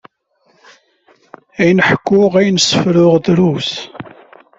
Ayen ḥkuɣ, ayen sefruɣ drus.